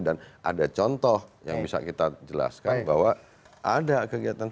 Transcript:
dan ada contoh yang bisa kita jelaskan bahwa ada kegiatan